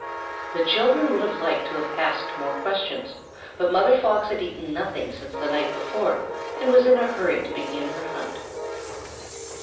The children would have liked to ask more questions, but Mother Fox had eaten nothing since the night before, and was in a hurry to begin her hunt.